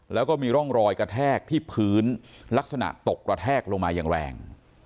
แล้วก็มีร่องรอยกระแทกที่พื้นลักษณะตกกระแทกลงมาอย่างแรง